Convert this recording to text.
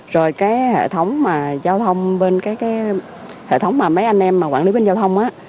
rồi cái hệ thống mà dâu thông bên cái hệ thống mà mấy anh em quản lý bên dâu thông